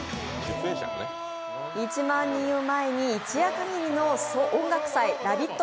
１万人を前に一夜限りの音楽祭ＬＯＶＥＩＴ！